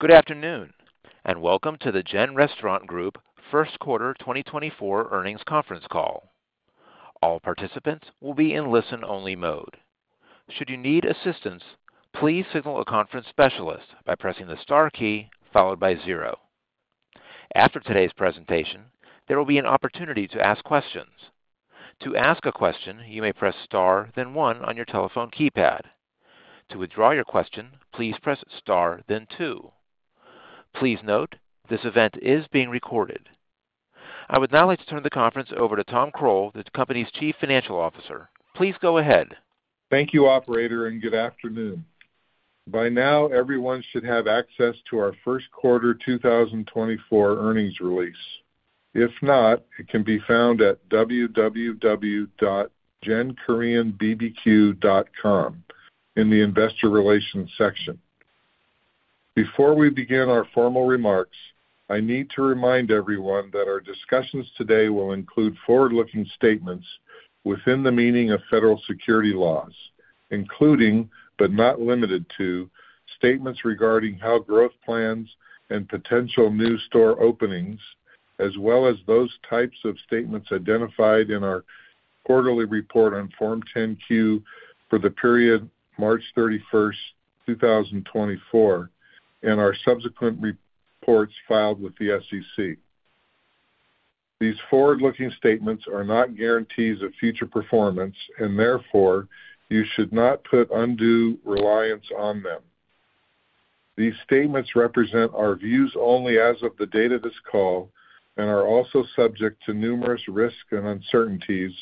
Good afternoon and welcome to the GEN Restaurant Group First Quarter 2024 Earnings Conference Call. All participants will be in listen-only mode. Should you need assistance, please signal a conference specialist by pressing the star key followed by zero. After today's presentation, there will be an opportunity to ask questions. To ask a question, you may press star then one on your telephone keypad. To withdraw your question, please press star then two. Please note, this event is being recorded. I would now like to turn the conference over to Tom Croal, the company's Chief Financial Officer. Please go ahead. Thank you, operator, and good afternoon. By now, everyone should have access to our First Quarter 2024 earnings release. If not, it can be found at www.genkoreanbbq.com in the investor relations section. Before we begin our formal remarks, I need to remind everyone that our discussions today will include forward-looking statements within the meaning of federal security laws, including but not limited to statements regarding our growth plans and potential new store openings, as well as those types of statements identified in our quarterly report on Form 10-Q for the period March 31st, 2024, and our subsequent reports filed with the SEC. These forward-looking statements are not guarantees of future performance, and therefore you should not put undue reliance on them. These statements represent our views only as of the date of this call and are also subject to numerous risks and uncertainties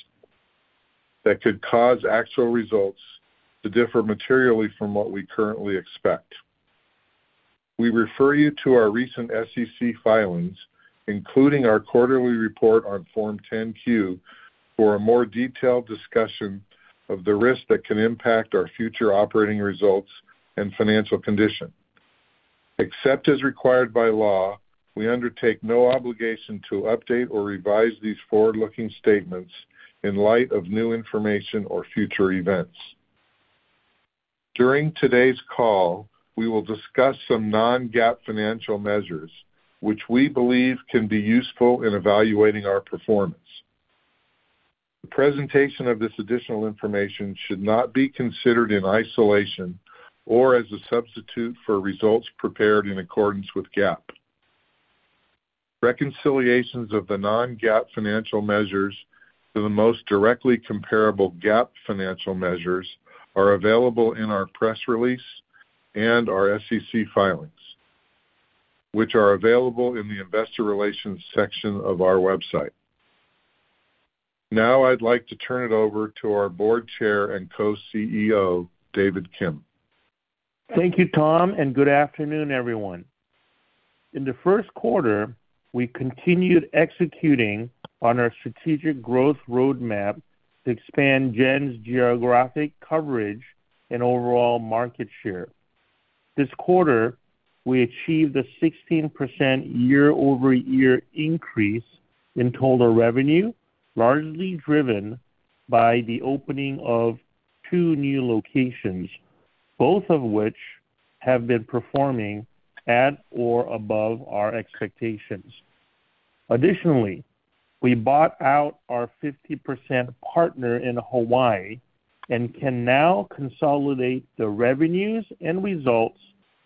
that could cause actual results to differ materially from what we currently expect. We refer you to our recent SEC filings, including our quarterly report on Form 10-Q, for a more detailed discussion of the risks that can impact our future operating results and financial condition. Except as required by law, we undertake no obligation to update or revise these forward-looking statements in light of new information or future events. During today's call, we will discuss some non-GAAP financial measures, which we believe can be useful in evaluating our performance. The presentation of this additional information should not be considered in isolation or as a substitute for results prepared in accordance with GAAP. Reconciliations of the non-GAAP financial measures to the most directly comparable GAAP financial measures are available in our press release and our SEC filings, which are available in the investor relations section of our website. Now I'd like to turn it over to our Board Chair and Co-CEO, David Kim. Thank you, Tom, and good afternoon, everyone. In the first quarter, we continued executing on our strategic growth roadmap to expand GEN's geographic coverage and overall market share. This quarter, we achieved a 16% year-over-year increase in total revenue, largely driven by the opening of two new locations, both of which have been performing at or above our expectations. Additionally, we bought out our 50% partner in Hawaii and can now consolidate the revenues and results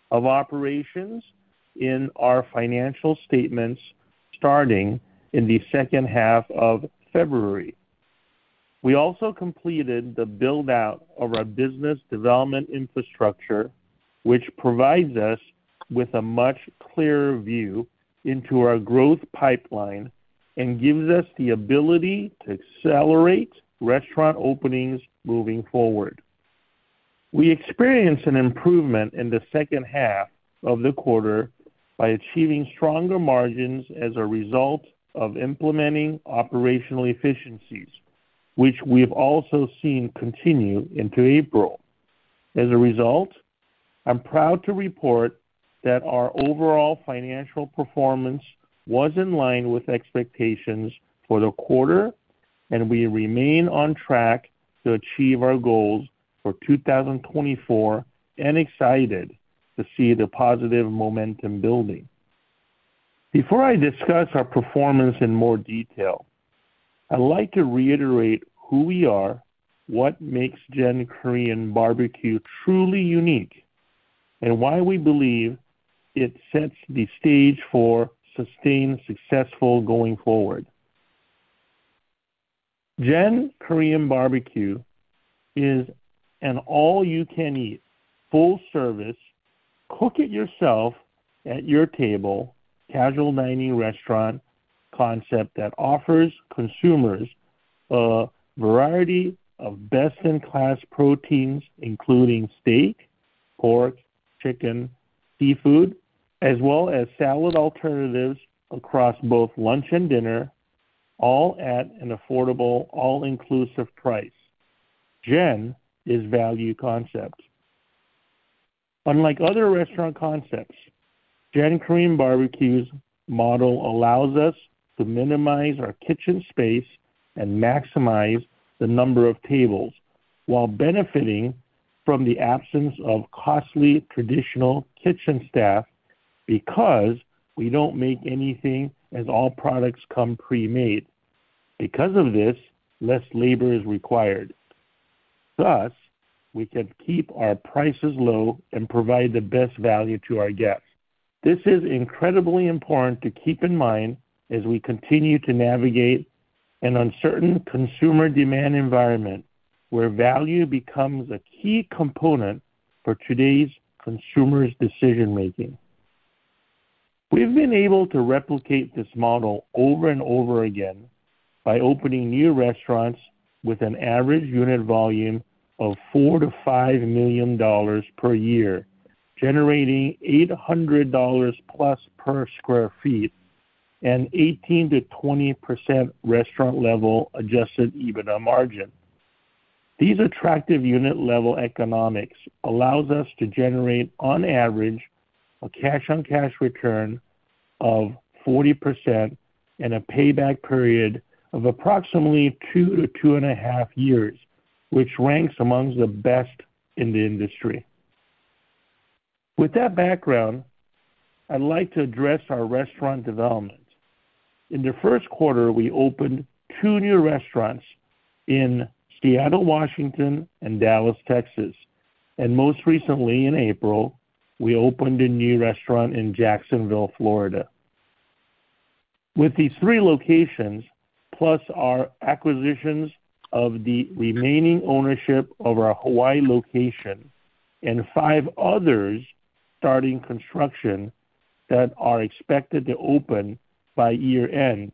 of operations in our financial statements starting in the second half of February. We also completed the build-out of our business development infrastructure, which provides us with a much clearer view into our growth pipeline and gives us the ability to accelerate restaurant openings moving forward. We experienced an improvement in the second half of the quarter by achieving stronger margins as a result of implementing operational efficiencies, which we've also seen continue into April. As a result, I'm proud to report that our overall financial performance was in line with expectations for the quarter, and we remain on track to achieve our goals for 2024 and excited to see the positive momentum building. Before I discuss our performance in more detail, I'd like to reiterate who we are, what makes GEN Korean BBQ truly unique, and why we believe it sets the stage for sustained success going forward. GEN Korean BBQ is an all-you-can-eat, full-service, cook-it-yourself-at-your-table casual dining restaurant concept that offers consumers a variety of best-in-class proteins, including steak, pork, chicken, seafood, as well as salad alternatives across both lunch and dinner, all at an affordable, all-inclusive price. GEN is value concept. Unlike other restaurant concepts, GEN Korean BBQ's model allows us to minimize our kitchen space and maximize the number of tables while benefiting from the absence of costly traditional kitchen staff because we don't make anything as all products come pre-made. Because of this, less labor is required. Thus, we can keep our prices low and provide the best value to our guests. This is incredibly important to keep in mind as we continue to navigate an uncertain consumer demand environment where value becomes a key component for today's consumers' decision-making. We've been able to replicate this model over and over again by opening new restaurants with an average unit volume of $4 million-$5 million per year, generating $800+ per sq ft and 18%-20% restaurant-level adjusted EBITDA margin. These attractive unit-level economics allow us to generate, on average, a cash-on-cash return of 40% and a payback period of approximately 2-2.5 years, which ranks among the best in the industry. With that background, I'd like to address our restaurant development. In the first quarter, we opened 2 new restaurants in Seattle, Washington, and Dallas, Texas, and most recently in April, we opened a new restaurant in Jacksonville, Florida. With these 3 locations, plus our acquisitions of the remaining ownership of our Hawaii location and 5 others starting construction that are expected to open by year-end,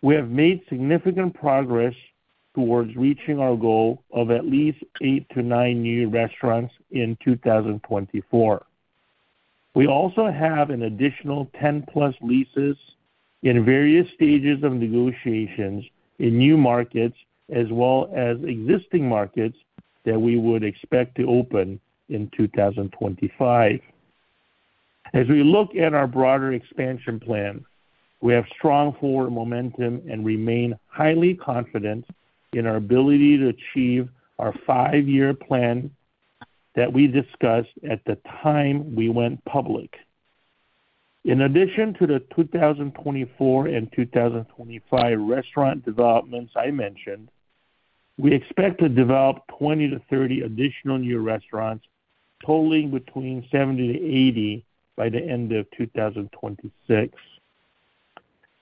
we have made significant progress towards reaching our goal of at least 8-9 new restaurants in 2024. We also have an additional 10+ leases in various stages of negotiations in new markets as well as existing markets that we would expect to open in 2025. As we look at our broader expansion plan, we have strong forward momentum and remain highly confident in our ability to achieve our five-year plan that we discussed at the time we went public. In addition to the 2024 and 2025 restaurant developments I mentioned, we expect to develop 20-30 additional new restaurants, totaling between 70-80 by the end of 2026.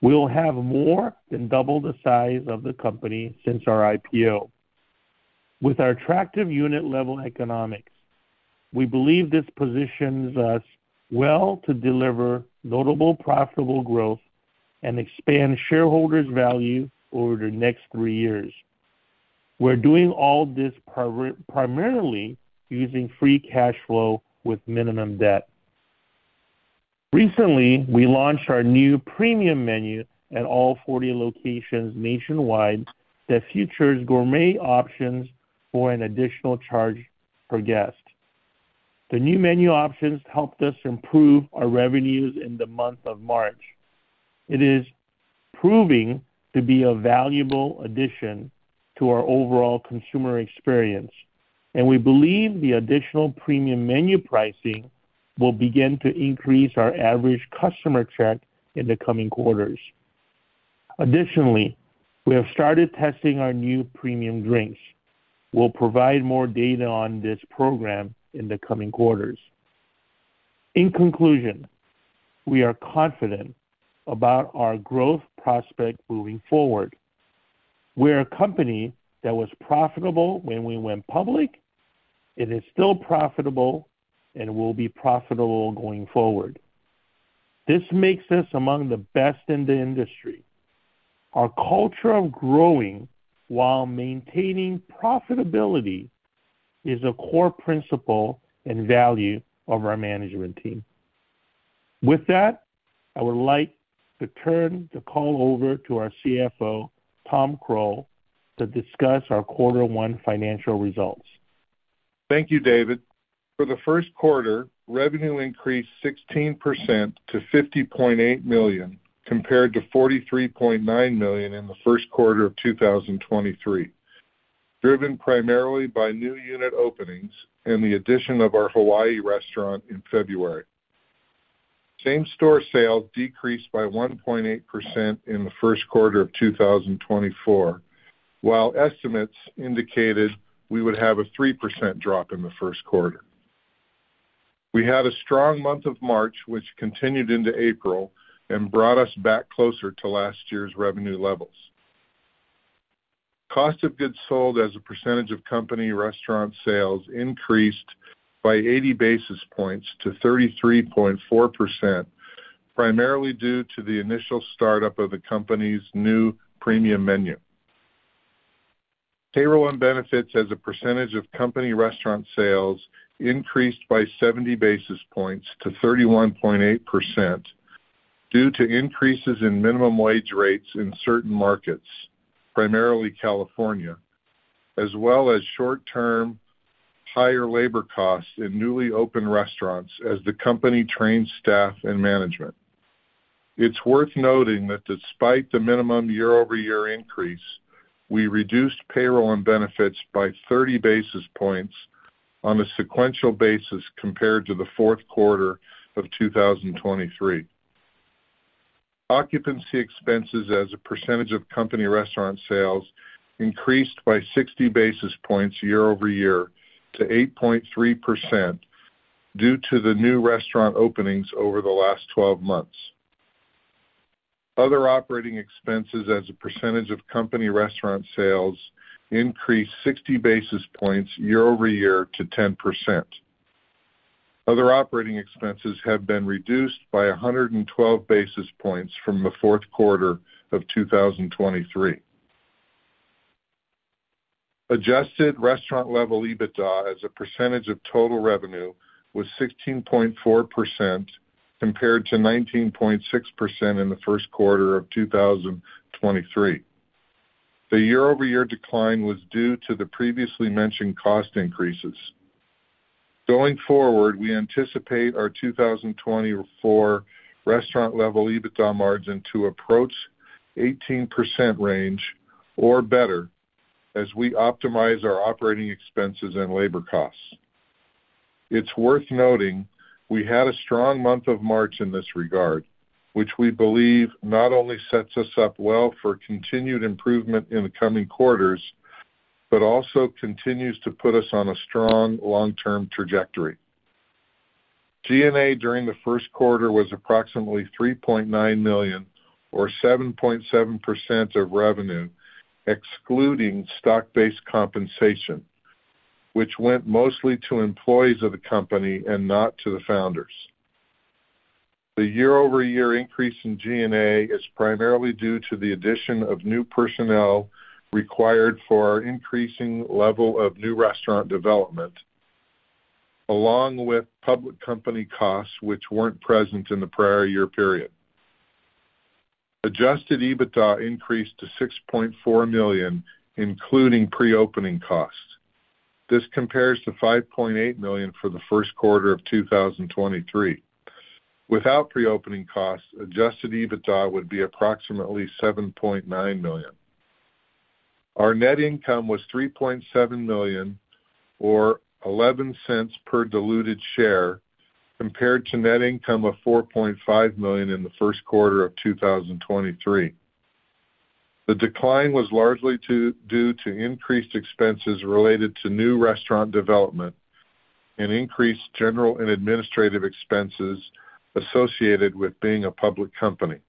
We'll have more than double the size of the company since our IPO. With our attractive unit-level economics, we believe this positions us well to deliver notable, profitable growth and expand shareholders' value over the next three years. We're doing all this primarily using free cash flow with minimum debt. Recently, we launched our new premium menu at all 40 locations nationwide that features gourmet options for an additional charge per guest. The new menu options helped us improve our revenues in the month of March. It is proving to be a valuable addition to our overall consumer experience, and we believe the additional premium menu pricing will begin to increase our average customer check in the coming quarters. Additionally, we have started testing our new premium drinks. We'll provide more data on this program in the coming quarters. In conclusion, we are confident about our growth prospect moving forward. We're a company that was profitable when we went public. It is still profitable and will be profitable going forward. This makes us among the best in the industry. Our culture of growing while maintaining profitability is a core principle and value of our management team. With that, I would like to turn the call over to our CFO, Tom Croal, to discuss our quarter one financial results. Thank you, David. For the first quarter, revenue increased 16% to $50.8 million compared to $43.9 million in the first quarter of 2023, driven primarily by new unit openings and the addition of our Hawaii restaurant in February. Same-Store Sales decreased by 1.8% in the first quarter of 2024, while estimates indicated we would have a 3% drop in the first quarter. We had a strong month of March, which continued into April and brought us back closer to last year's revenue levels. Cost of Goods Sold as a percentage of company restaurant sales increased by 80 basis points to 33.4%, primarily due to the initial startup of the company's new Premium Menu. Payroll and benefits as a percentage of company restaurant sales increased by 70 basis points to 31.8% due to increases in minimum wage rates in certain markets, primarily California, as well as short-term higher labor costs in newly opened restaurants as the company trains staff and management. It's worth noting that despite the minimum year-over-year increase, we reduced payroll and benefits by 30 basis points on a sequential basis compared to the fourth quarter of 2023. Occupancy expenses as a percentage of company restaurant sales increased by 60 basis points year-over-year to 8.3% due to the new restaurant openings over the last 12 months. Other operating expenses as a percentage of company restaurant sales increased 60 basis points year-over-year to 10%. Other operating expenses have been reduced by 112 basis points from the fourth quarter of 2023. Adjusted restaurant-level EBITDA as a percentage of total revenue was 16.4% compared to 19.6% in the first quarter of 2023. The year-over-year decline was due to the previously mentioned cost increases. Going forward, we anticipate our 2024 restaurant-level EBITDA margin to approach 18% range or better as we optimize our operating expenses and labor costs. It's worth noting we had a strong month of March in this regard, which we believe not only sets us up well for continued improvement in the coming quarters but also continues to put us on a strong long-term trajectory. G&A during the first quarter was approximately $3.9 million or 7.7% of revenue excluding stock-based compensation, which went mostly to employees of the company and not to the founders. The year-over-year increase in G&A is primarily due to the addition of new personnel required for our increasing level of new restaurant development, along with public company costs which weren't present in the prior year period. Adjusted EBITDA increased to $6.4 million including pre-opening costs. This compares to $5.8 million for the first quarter of 2023. Without pre-opening costs, adjusted EBITDA would be approximately $7.9 million. Our net income was $3.7 million or $0.11 per diluted share compared to net income of $4.5 million in the first quarter of 2023. The decline was largely due to increased expenses related to new restaurant development and increased general and administrative expenses associated with being a public company,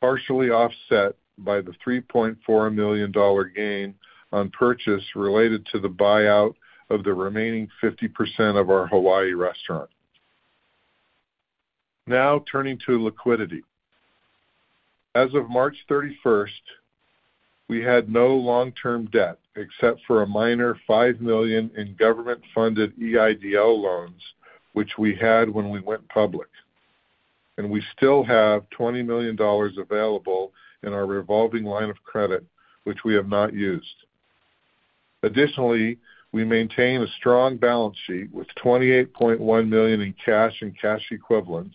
partially offset by the $3.4 million gain on purchase related to the buyout of the remaining 50% of our Hawaii restaurant. Now turning to liquidity. As of March 31st, we had no long-term debt except for a minor $5 million in government-funded EIDL loans, which we had when we went public, and we still have $20 million available in our revolving line of credit, which we have not used. Additionally, we maintain a strong balance sheet with $28.1 million in cash and cash equivalents,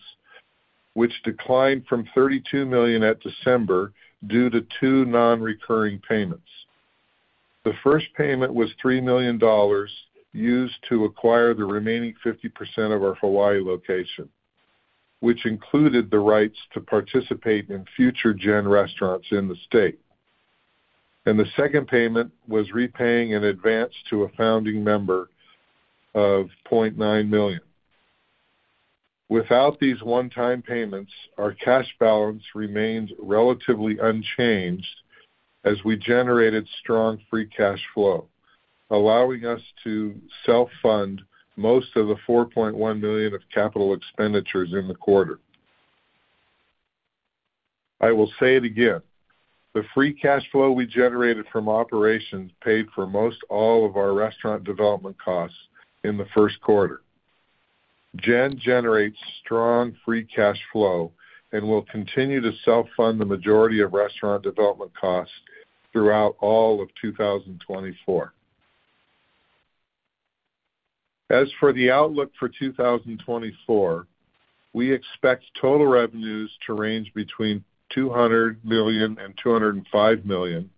which declined from $32 million at December due to two non-recurring payments. The first payment was $3 million used to acquire the remaining 50% of our Hawaii location, which included the rights to participate in future GEN restaurants in the state, and the second payment was repaying an advance to a founding member of $0.9 million. Without these one-time payments, our cash balance remained relatively unchanged as we generated strong free cash flow, allowing us to self-fund most of the $4.1 million of capital expenditures in the quarter. I will say it again. The free cash flow we generated from operations paid for most all of our restaurant development costs in the first quarter. GEN generates strong free cash flow and will continue to self-fund the majority of restaurant development costs throughout all of 2024. As for the outlook for 2024, we expect total revenues to range between $200 million-$205 million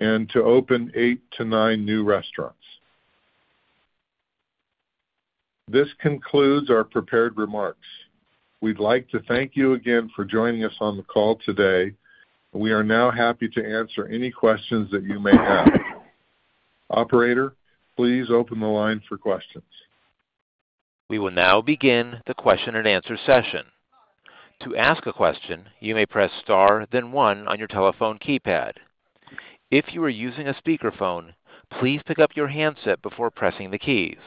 and to open eight to nine new restaurants. This concludes our prepared remarks. We'd like to thank you again for joining us on the call today, and we are now happy to answer any questions that you may have. Operator, please open the line for questions. We will now begin the question-and-answer session. To ask a question, you may press star then one on your telephone keypad. If you are using a speakerphone, please pick up your handset before pressing the keys.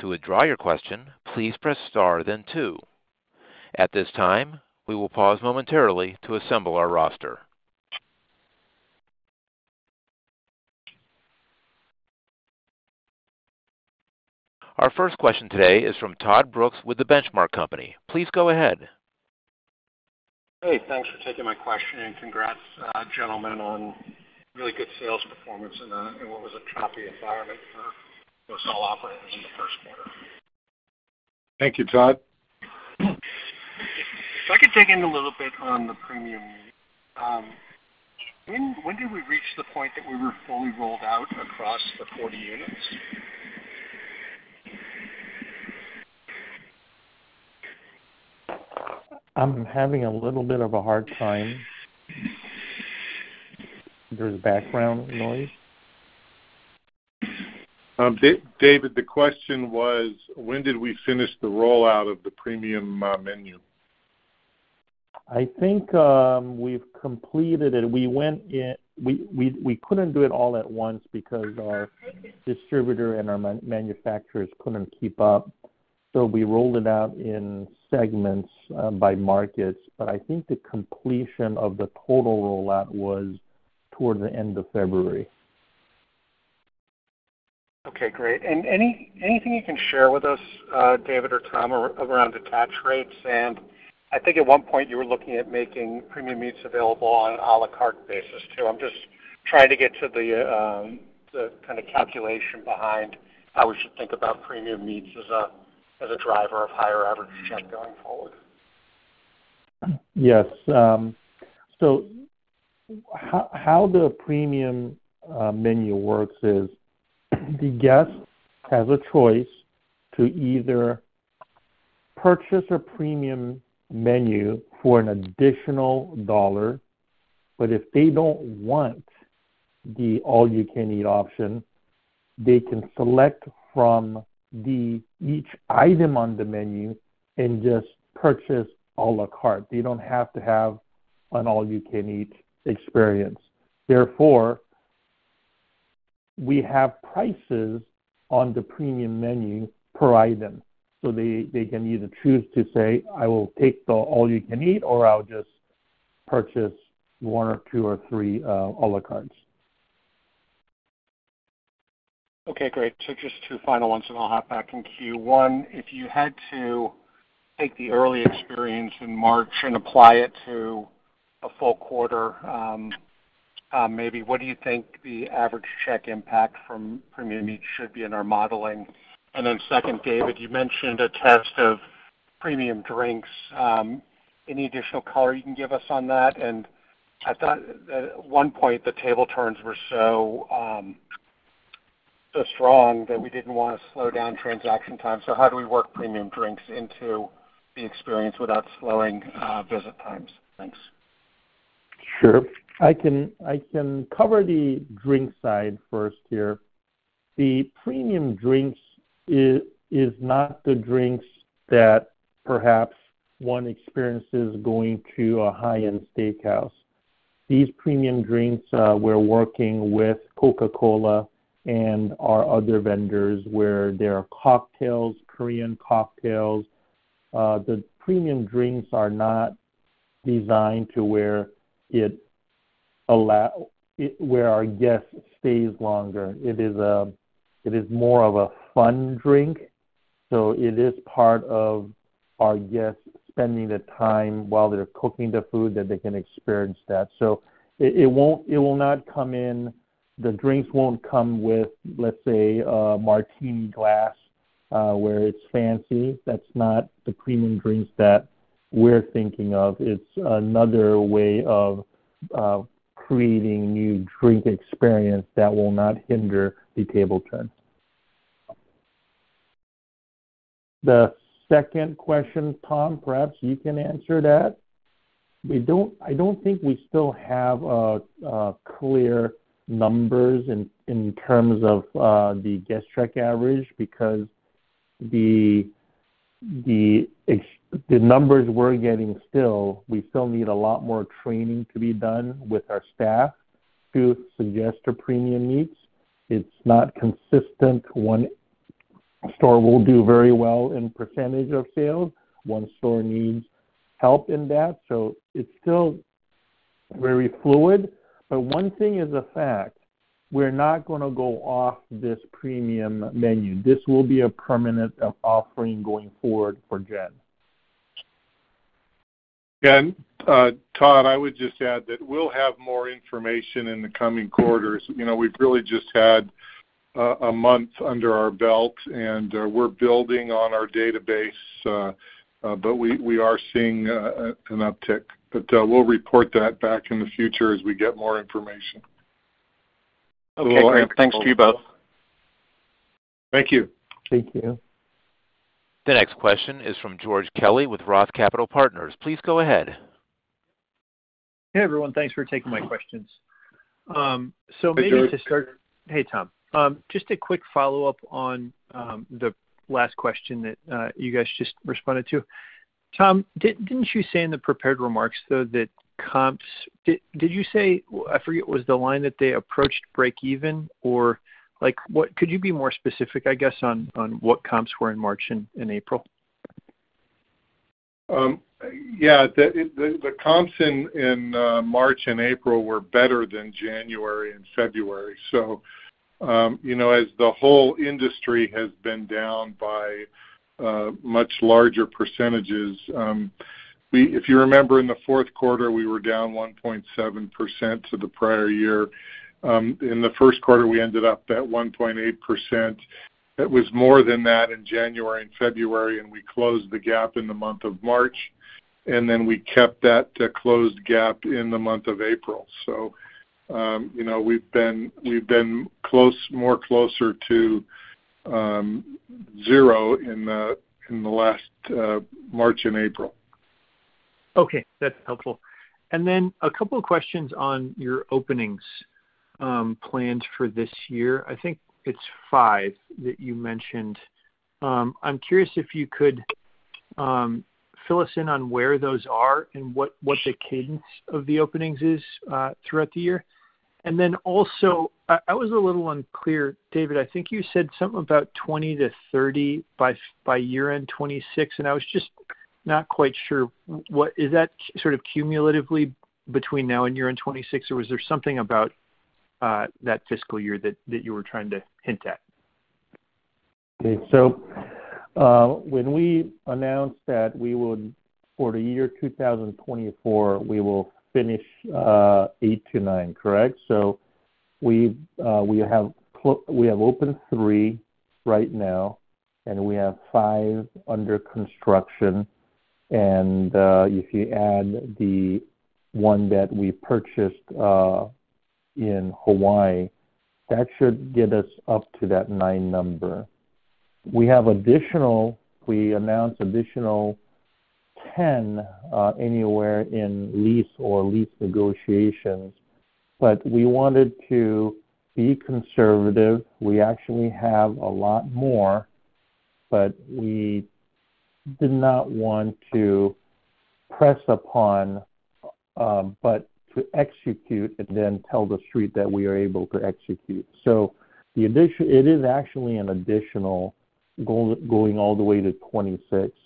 To withdraw your question, please press star then two. At this time, we will pause momentarily to assemble our roster. Our first question today is from Todd Brooks with The Benchmark Company. Please go ahead. Hey. Thanks for taking my question, and congrats, gentlemen, on really good sales performance and what was a choppy environment for most all operators in the first quarter. Thank you, Todd. If I could dig in a little bit on the premium, when did we reach the point that we were fully rolled out across the 40 units? I'm having a little bit of a hard time. There's background noise. David, the question was, when did we finish the rollout of the premium menu? I think we've completed it. We couldn't do it all at once because our distributor and our manufacturers couldn't keep up, so we rolled it out in segments by markets. But I think the completion of the total rollout was toward the end of February. Okay. Great. Anything you can share with us, David or Tom, around attach rates? I think at one point, you were looking at making premium meats available on an à la carte basis too. I'm just trying to get to the kind of calculation behind how we should think about premium meats as a driver of higher average check going forward. Yes. So how the premium menu works is the guest has a choice to either purchase a premium menu for an additional dollar, but if they don't want the all-you-can-eat option, they can select from each item on the menu and just purchase à la carte. They don't have to have an all-you-can-eat experience. Therefore, we have prices on the premium menu per item, so they can either choose to say, "I will take the all-you-can-eat," or "I'll just purchase one or two or three à la cartes. Okay. Great. So just two final ones, and I'll hop back in queue. One, if you had to take the early experience in March and apply it to a full quarter maybe, what do you think the average check impact from premium meats should be in our modeling? And then second, David, you mentioned a test of premium drinks. Any additional color you can give us on that? And I thought at one point, the table turns were so strong that we didn't want to slow down transaction time. So how do we work premium drinks into the experience without slowing visit times? Thanks. Sure. I can cover the drink side first here. The premium drinks is not the drinks that perhaps one experiences going to a high-end steakhouse. These premium drinks, we're working with Coca-Cola and our other vendors where there are cocktails, Korean cocktails. The premium drinks are not designed to where our guest stays longer. It is more of a fun drink, so it is part of our guests spending the time while they're cooking the food that they can experience that. So it will not come in the drinks won't come with, let's say, a martini glass where it's fancy. That's not the premium drinks that we're thinking of. It's another way of creating new drink experience that will not hinder the table turns. The second question, Tom, perhaps you can answer that. I don't think we still have clear numbers in terms of the guest check average because the numbers we're getting still; we still need a lot more training to be done with our staff to suggest premium meats. It's not consistent. One store will do very well in percentage of sales. One store needs help in that, so it's still very fluid. But one thing is a fact. We're not going to go off this premium menu. This will be a permanent offering going forward for GEN. Todd, I would just add that we'll have more information in the coming quarters. We've really just had a month under our belt, and we're building on our database, but we are seeing an uptick. We'll report that back in the future as we get more information. Okay. Great. Thanks to you both. Thank you. Thank you. The next question is from George Kelly with Roth Capital Partners. Please go ahead. Hey, everyone. Thanks for taking my questions. So maybe to start. Hey, George. Hey, Tom. Just a quick follow-up on the last question that you guys just responded to. Tom, didn't you say in the prepared remarks, though, that comps did you say I forget. Was the line that they approached break-even? Or could you be more specific, I guess, on what comps were in March and April? Yeah. The comps in March and April were better than January and February. So as the whole industry has been down by much larger percentages if you remember, in the fourth quarter, we were down 1.7% to the prior year. In the first quarter, we ended up at 1.8%. It was more than that in January and February, and we closed the gap in the month of March, and then we kept that closed gap in the month of April. So we've been more closer to zero in the last March and April. Okay. That's helpful. And then a couple of questions on your openings plans for this year. I think it's 5 that you mentioned. I'm curious if you could fill us in on where those are and what the cadence of the openings is throughout the year. And then also, I was a little unclear. David, I think you said something about 20-30 by year-end 2026, and I was just not quite sure. Is that sort of cumulatively between now and year-end 2026, or was there something about that fiscal year that you were trying to hint at? Okay. So when we announced that we would for the year 2024, we will finish 8-9, correct? So we have opened 3 right now, and we have 5 under construction. And if you add the one that we purchased in Hawaii, that should get us up to that 9 number. We announced additional 10 anywhere in lease or lease negotiations, but we wanted to be conservative. We actually have a lot more, but we did not want to press upon but to execute and then tell the street that we are able to execute. So it is actually an additional going all the way to 2026.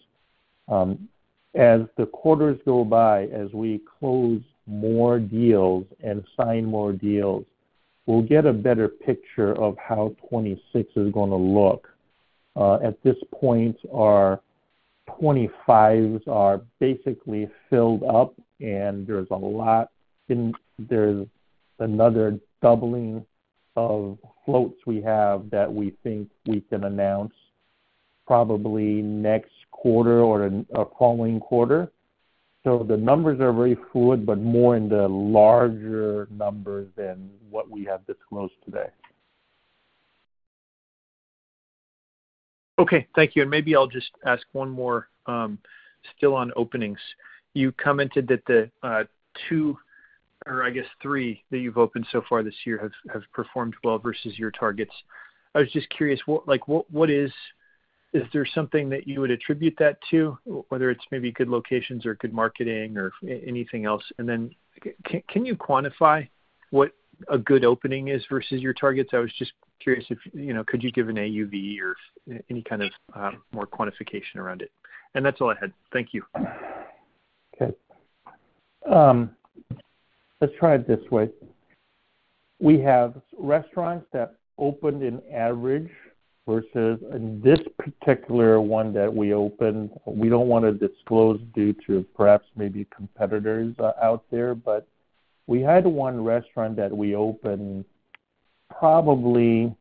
As the quarters go by, as we close more deals and sign more deals, we'll get a better picture of how 2026 is going to look. At this point, our 25s are basically filled up, and there's another doubling of floats we have that we think we can announce probably next quarter or following quarter. So the numbers are very fluid but more in the larger numbers than what we have disclosed today. Okay. Thank you. And maybe I'll just ask one more still on openings. You commented that the two or I guess three that you've opened so far this year have performed well versus your targets. I was just curious, is there something that you would attribute that to, whether it's maybe good locations or good marketing or anything else? And then can you quantify what a good opening is versus your targets? I was just curious, could you give an AUV or any kind of more quantification around it? And that's all I had. Thank you. Okay. Let's try it this way. We have restaurants that opened in average versus in this particular one that we opened. We don't want to disclose due to perhaps maybe competitors out there, but we had one restaurant that we opened probably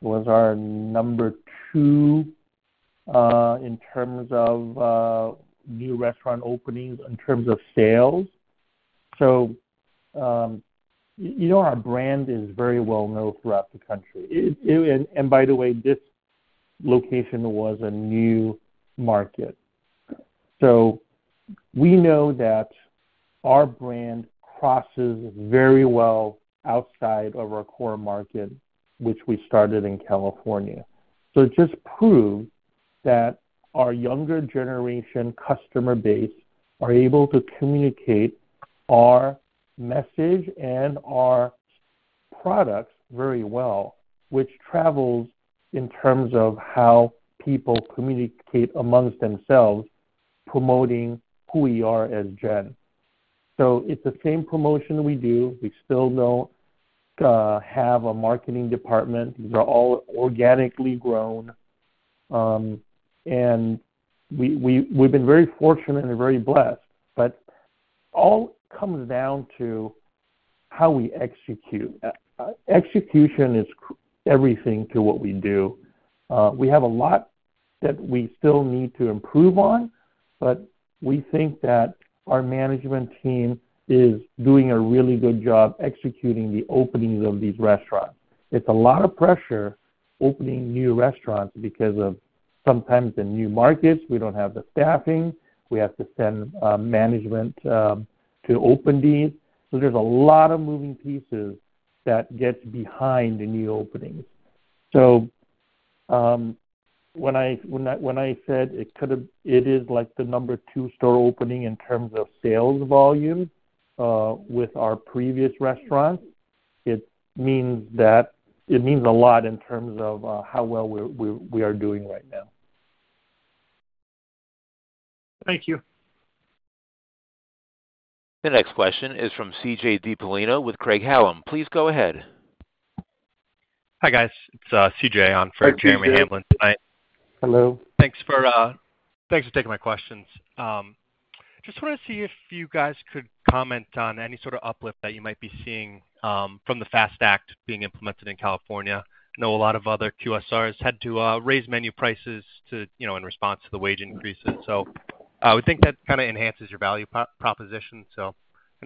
was our number 2 in terms of new restaurant openings in terms of sales. So our brand is very well-known throughout the country. And by the way, this location was a new market. So we know that our brand crosses very well outside of our core market, which we started in California. So it just proved that our younger generation customer base are able to communicate our message and our products very well, which travels in terms of how people communicate amongst themselves promoting who we are as GEN. So it's the same promotion we do. We still don't have a marketing department. These are all organically grown, and we've been very fortunate and very blessed. But all comes down to how we execute. Execution is everything to what we do. We have a lot that we still need to improve on, but we think that our management team is doing a really good job executing the openings of these restaurants. It's a lot of pressure opening new restaurants because of sometimes the new markets. We don't have the staffing. We have to send management to open these. So there's a lot of moving pieces that gets behind the new openings. So when I said it is the number two store opening in terms of sales volume with our previous restaurants, it means a lot in terms of how well we are doing right now. Thank you. The next question is from C.J. Dipollino with Craig-Hallum. Please go ahead. Hi, guys. It's C.J. on for Jeremy Hamblin tonight. Hello. Thanks for taking my questions. Just wanted to see if you guys could comment on any sort of uplift that you might be seeing from the FAST Act being implemented in California. I know a lot of other QSRs had to raise menu prices in response to the wage increases. I would think that kind of enhances your value proposition. I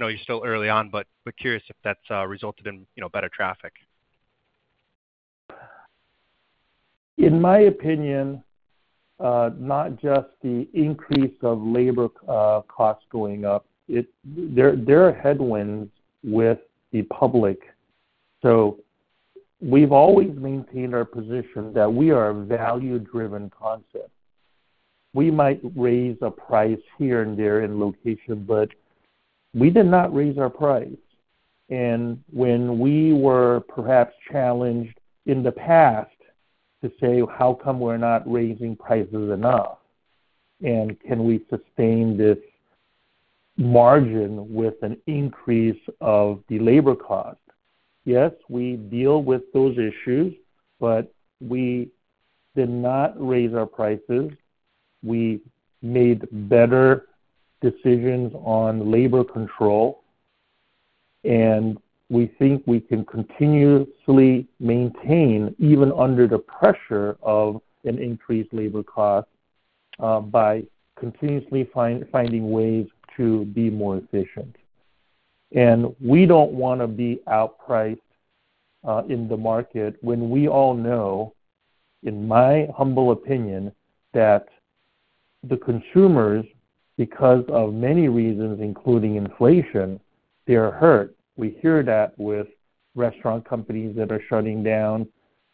know you're still early on, but curious if that's resulted in better traffic. In my opinion, not just the increase of labor costs going up. There are headwinds with the public. So we've always maintained our position that we are a value-driven concept. We might raise a price here and there in location, but we did not raise our price. And when we were perhaps challenged in the past to say, "How come we're not raising prices enough? And can we sustain this margin with an increase of the labor cost?" Yes, we deal with those issues, but we did not raise our prices. We made better decisions on labor control, and we think we can continuously maintain even under the pressure of an increased labor cost by continuously finding ways to be more efficient. We don't want to be outpriced in the market when we all know, in my humble opinion, that the consumers, because of many reasons, including inflation, they're hurt. We hear that with restaurant companies that are shutting down,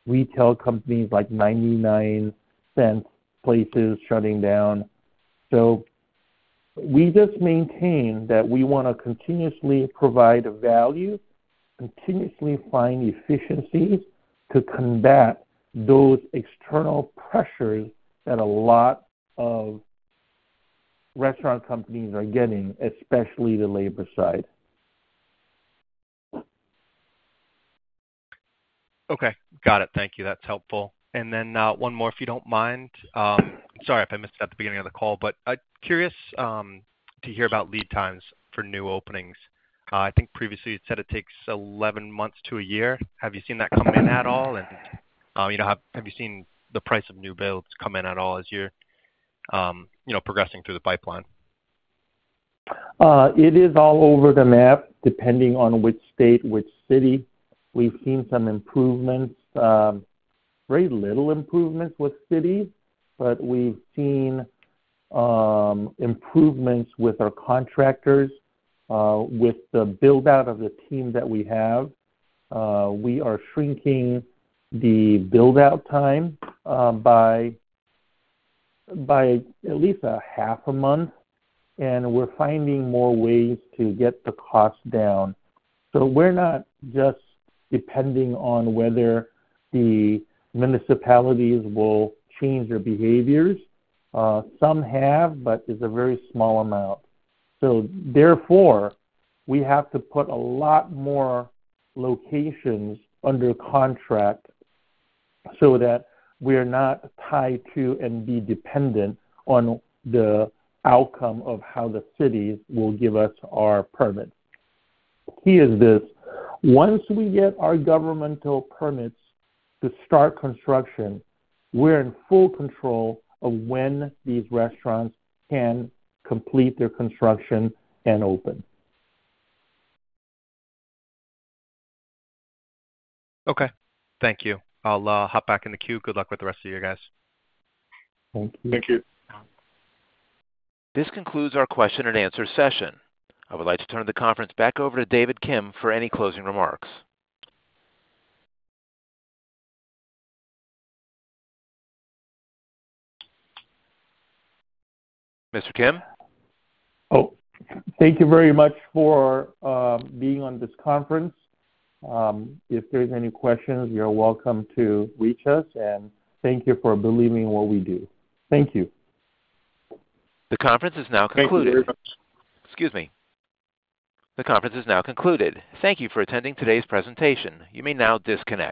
retail companies like 99 Cents Only Stores shutting down. We just maintain that we want to continuously provide value, continuously find efficiencies to combat those external pressures that a lot of restaurant companies are getting, especially the labor side. Okay. Got it. Thank you. That's helpful. And then one more, if you don't mind. Sorry if I missed it at the beginning of the call, but curious to hear about lead times for new openings. I think previously, you'd said it takes 11 months to a year. Have you seen that come in at all? And have you seen the price of new builds come in at all as you're progressing through the pipeline? It is all over the map depending on which state, which city. We've seen some improvements, very little improvements with cities, but we've seen improvements with our contractors. With the buildout of the team that we have, we are shrinking the buildout time by at least a half a month, and we're finding more ways to get the costs down. So we're not just depending on whether the municipalities will change their behaviors. Some have, but it's a very small amount. So therefore, we have to put a lot more locations under contract so that we are not tied to and be dependent on the outcome of how the cities will give us our permits. Key is this. Once we get our governmental permits to start construction, we're in full control of when these restaurants can complete their construction and open. Okay. Thank you. I'll hop back in the queue. Good luck with the rest of your guys. Thank you. Thank you. This concludes our question-and-answer session. I would like to turn the conference back over to David Kim for any closing remarks. Mr. Kim? Oh. Thank you very much for being on this conference. If there's any questions, you're welcome to reach us. And thank you for believing in what we do. Thank you. The conference is now concluded. Thank you very much. Excuse me. The conference is now concluded. Thank you for attending today's presentation. You may now disconnect.